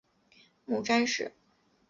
母詹氏。